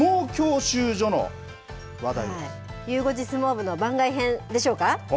ゆう５時相撲部の番外編でし